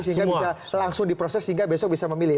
sehingga bisa langsung diproses sehingga besok bisa memilih